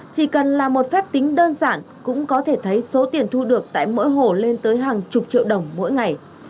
chỉ cần là một phép tính đơn giản cũng có thể thấy số tiền thu được tại mỗi hồ lên tới hàng chục triệu đồng mỗi ngày